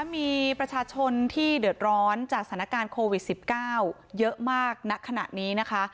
มีประชาชนที่เดือดร้อนจากสถานการณ์โควิด๑๙เยอะมากณขณะนี้นะคะ